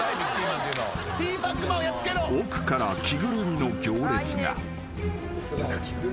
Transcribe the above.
［奥から着ぐるみの行列が］